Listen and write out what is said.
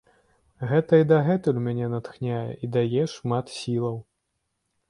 Гэта і дагэтуль мяне натхняе і дае шмат сілаў.